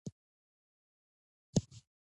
ته پر ما ګران یې.